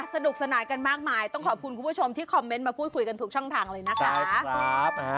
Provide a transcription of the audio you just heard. สนุกสนานกันมากมายต้องขอบคุณคุณผู้ชมที่คอมเมนต์มาพูดคุยกันทุกช่องทางเลยนะคะ